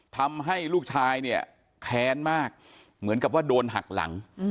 ทำให้ลูกชายเนี่ยแค้นมากเหมือนกับว่าโดนหักหลัง